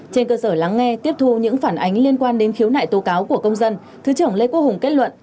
trên cơ sở lắng nghe tiếp thu những phản ánh liên quan đến khiếu nại tố cáo của công dân thứ trưởng lê quốc hùng kết luận